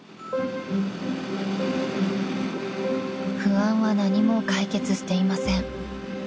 ［不安は何も解決していません］